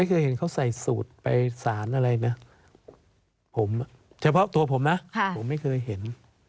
เคยเห็นเขาใส่สูตรไปสารอะไรนะผมเฉพาะตัวผมนะผมไม่เคยเห็น